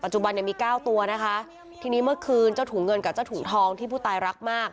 จอดรถทำอะไรอืม